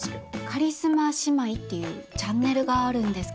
カリスマ姉妹っていうチャンネルがあるんですけど。